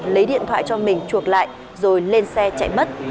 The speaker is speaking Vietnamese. lấy điện thoại cho mình chuộc lại rồi lên xe chạy mất